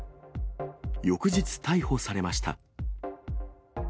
翌日、逮捕されました。